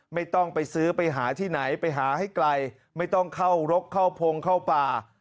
ไม่ต้องไปซื้อไปหาที่ไหนไปหาให้ไกลไม่ต้องเข้ารกเข้าพงเข้าป่า